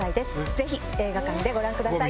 ぜひ映画館でご覧ください。